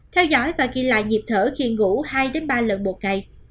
theo dõi và ghi lại nhịp thở khi ngủ hai ba lần một ngày